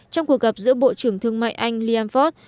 trong cuộc gặp giữa bộ trưởng thương mại anh liam fox